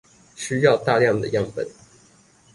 需要大量的樣本